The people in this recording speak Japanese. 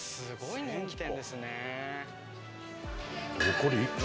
残り１個。